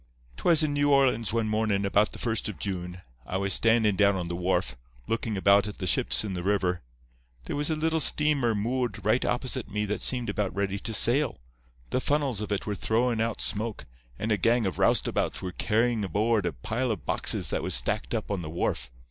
"'Twas in New Orleans one morning about the first of June; I was standin' down on the wharf, lookin' about at the ships in the river. There was a little steamer moored right opposite me that seemed about ready to sail. The funnels of it were throwin' out smoke, and a gang of roustabouts were carryin' aboard a pile of boxes that was stacked up on the wharf.